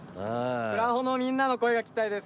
プラホのみんなの声が聞きたいです